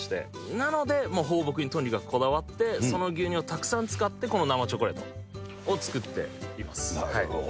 なので、放牧にとにかくこだわってその牛乳をたくさん使って、この生チョなるほど。